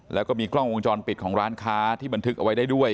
แล้วก็มีกล้องวงจรปิดของร้านค้าที่บันทึกเอาไว้ได้ด้วย